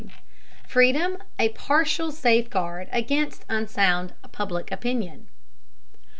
FREEDOM A PARTIAL SAFEGUARD AGAINST UNSOUND PUBLIC OPINION.